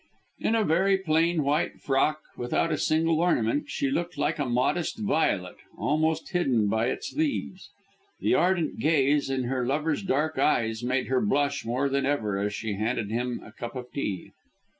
In a very plain white frock and without a single ornament, she looked like a modest violet, almost hidden by its leaves. The ardent gaze in her lover's dark eyes made her blush more than ever as she handed him a cup of tea.